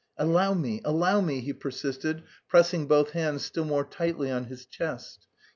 "Allow me, allow me," he persisted, pressing both hands still more tightly on his chest.